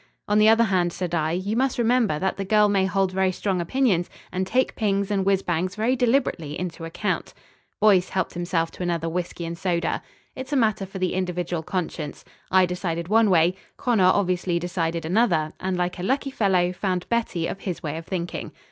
"On the other hand," said I, "you must remember that the girl may hold very strong opinions and take pings and whizz bangs very deliberately into account." Boyce helped himself to another whisky and soda. "It's a matter for the individual conscience. I decided one way. Connor obviously decided another, and, like a lucky fellow, found Betty of his way of thinking.